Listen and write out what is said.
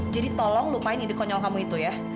jadi tolong lupain ide konyol kamu itu ya